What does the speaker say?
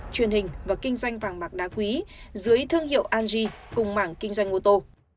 truyền hình và kinh doanh vàng bạc đá quý dưới thương hiệu anji cùng mảng kinh doanh ngô tô